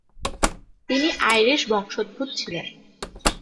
তিনি আইরিশ বংশোদ্ভূত ছিলেন।